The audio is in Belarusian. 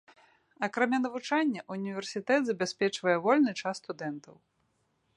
Акрамя навучання, універсітэт забяспечвае вольны час студэнтаў.